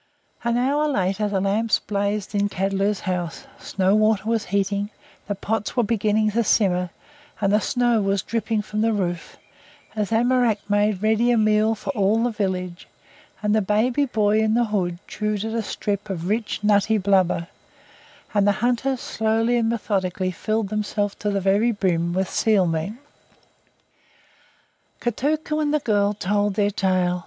An hour later the lamps blazed in Kadlu's house; snow water was heating; the pots were beginning to simmer, and the snow was dripping from the roof, as Amoraq made ready a meal for all the village, and the boy baby in the hood chewed at a strip of rich nutty blubber, and the hunters slowly and methodically filled themselves to the very brim with seal meat. Kotuko and the girl told their tale.